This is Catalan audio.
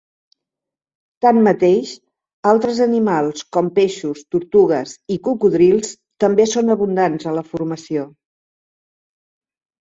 Tanmateix, altres animals com peixos, tortugues, i cocodrils també són abundants a la formació.